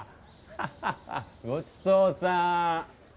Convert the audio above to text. ハッハッハッごちそうさん！